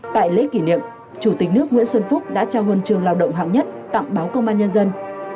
tại lễ kỷ niệm chủ tịch nước nguyễn xuân phúc đã trao huân trường lao động hạng nhất tặng báo công an nhân dân